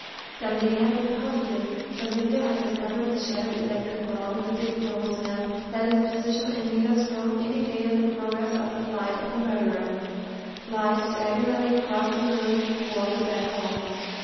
Dundee had been positive, when Lydia had discovered the shattered electric bulb in the big bronze lamp that its position in Nita's room indicated the progress of the flight of the murderer flight diagonally across the room toward the back hall.